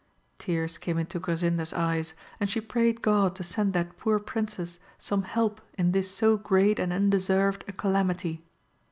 Tears came into Gra 58 • AMADIS OF GAUL. sinda's eyes, and she prayed God to send that poor princess some help in this so great and undeserved a calamity.